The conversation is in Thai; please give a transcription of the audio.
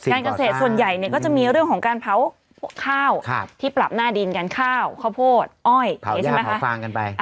การเกษตรส่วนใหญ่ก็จะมีเรื่องของการเผาข้าวที่ปรับหน้าดินกันข้าวข้าวโพดอ้อยอย่างนี้ใช่ไหมคะ